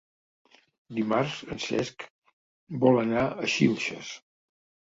Dimarts en Cesc vol anar a Xilxes.